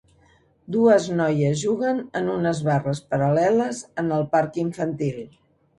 Dues noies juguen en unes barres paral·leles en el parc infantil.